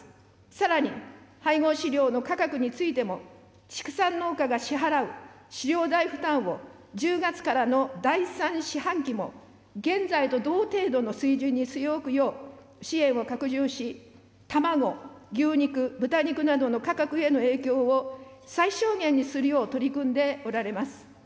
さらに、配合飼料の価格についても、畜産農家が支払う飼料代負担を１０月からの第３四半期も現在と同程度の水準に据え置くよう支援を拡充し、卵、牛肉、豚肉などの価格への影響を、最小限にするよう取り組んでおられます。